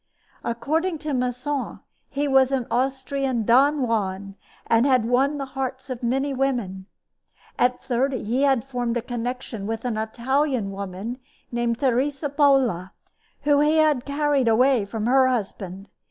According to Masson, he was an Austrian Don Juan, and had won the hearts of many women. At thirty he had formed a connection with an Italian woman named Teresa Pola, whom he had carried away from her husband.